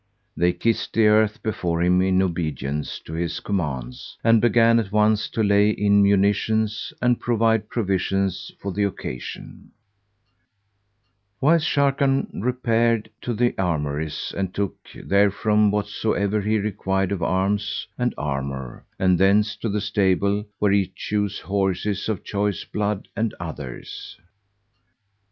They kissed the earth before him in obedience to his commands and began at once to lay in munitions, and provide provisions for the occasion; whilst Sharrkan repaired to the armouries and took therefrom whatsoever he required of arms and armour, and thence to the stable where he chose horses of choice blood and others.